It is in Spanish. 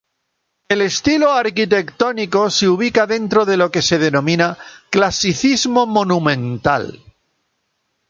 El estilo arquitectónico se ubica dentro de lo que se denomina clasicismo monumental.